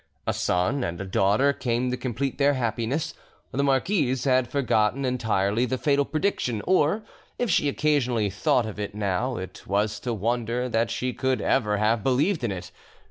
A son and a daughter came to complete their happiness. The marquise had entirely forgotten the fatal prediction, or, if she occasionally thought of it now, it was to wonder that she could ever have believed in it.